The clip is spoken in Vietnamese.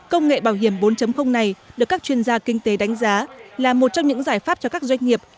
công nghệ bảo hiểm bốn này được các chuyên gia kinh tế đánh giá là một trong những giải pháp cho các doanh nghiệp